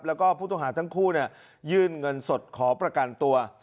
แล้วก็ผู้ต้องหาทั้งคู่ยื่นเงินสดขอประกันตัว